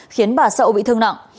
khiến bà sậu bị thương nặng